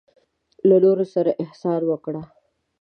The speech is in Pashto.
له نورو سره احسان وکړه.